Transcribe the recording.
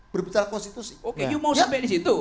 berbicara konstitusi oke you mau sampai di situ